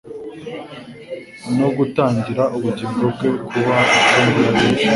no gutangira ubugingo bwe kuba inshungu ya benshi.»